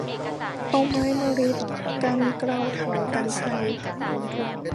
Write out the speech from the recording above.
เอาไม้มะริดกันเกลาเถากันภัย